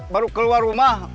baru keluar rumah